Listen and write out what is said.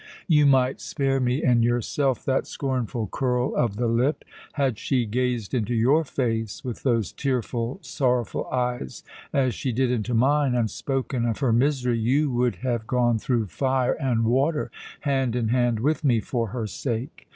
You might spare me and yourself that scornful curl of the lip. Had she gazed into your face with those tearful, sorrowful eyes, as she did into mine, and spoken of her misery, you would have gone through fire and water, hand in hand with me, for her sake.